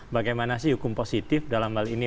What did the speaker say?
bagaimana sih hukum positif dalam hal ini